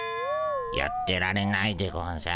やってられないでゴンス。